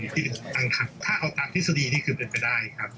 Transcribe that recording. ถ้าเอาตามที่๓นี่คือเป็นไปได้ครับ